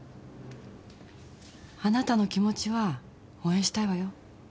あなたの気持ちは応援したいわよ。